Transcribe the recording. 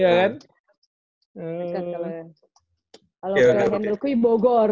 kalau bukan handel kui bogor